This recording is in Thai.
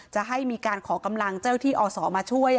จะให้มีการขอกำลังเจ้าที่อศมาช่วย